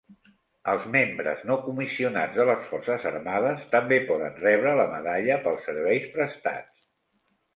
Els membres no comissionats de les forces armades també poden rebre la medalla pels serveis prestats.